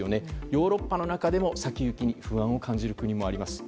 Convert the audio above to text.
ヨーロッパの中でも先行きに不安を感じる国もあります。